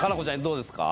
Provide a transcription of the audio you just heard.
どうですか？